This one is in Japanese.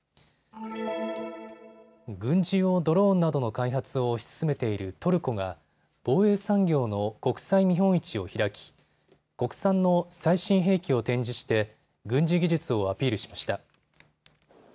軍事用ドローンなどの開発を推し進めているトルコが防衛産業の国際見本市を開き、国産の最新兵器を展示して軍事技術をアピールしました。